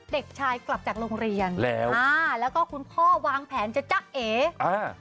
เด็กชายกลับจากโรงเรียนแล้วอ่าแล้วก็คุณพ่อวางแผนจะจ๊ะเออ่า